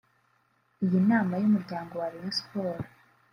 Iyi nama y’umuryango wa Rayon Sports